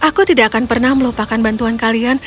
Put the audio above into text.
aku tidak akan pernah melupakan bantuan kalian